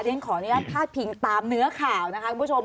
ฉันขอพิงตามเนื้อข่าวนะคะคุณผู้ชม